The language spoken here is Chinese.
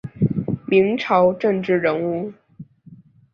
明朝政治人物。